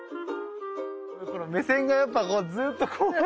この目線がやっぱこうずっとこう。